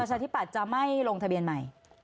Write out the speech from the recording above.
ปัจจุบัตรจะไม่ลงทะเบียนใหม่